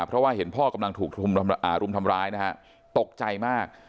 เพราะว่าเห็นพ่อกำลังถูกรุมทำร้ายนะฮะตกใจมาก